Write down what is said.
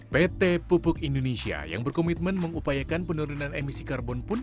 pt pupuk indonesia yang berkomitmen mengupayakan penurunan emisi karbon pun